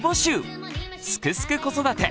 「すくすく子育て」